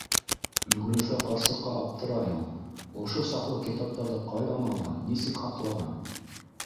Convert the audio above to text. Мөғлифә ҡарсыҡҡа аптырай ул: ошо саҡлы китаптарҙы ҡайҙан алған, нисек һаҡлаған...